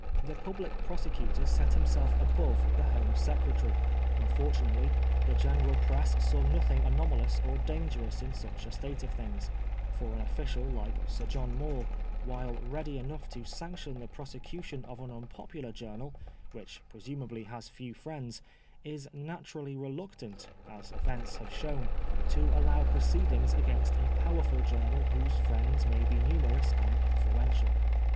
The Public Prosecutor set himself above the Home Secretary. Unfortunately the general press saw nothing anoma lous or dangerous in such a state of things ; for an official like Sir John Maule, while ready enough to sanction the prosecution of an unpopular journal, which presumably has few friends, is naturally reluctant, as events have shown, to allow proceedings against a powerful journal whose friends may be numerous and influential.